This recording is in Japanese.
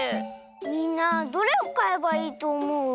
みんなどれをかえばいいとおもう？